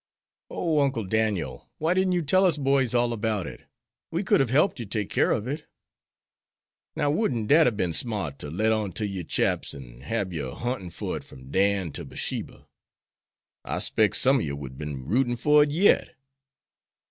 "Oh, Uncle Daniel, why didn't you tell us boys all about it? We could have helped you take care of it." "Now, wouldn't dat hab bin smart ter let on ter you chaps, an' hab you huntin' fer it from Dan ter Barsheba? I specs some ob you would bin a rootin' fer it yit!"